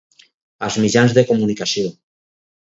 Als mitjans de comunicació.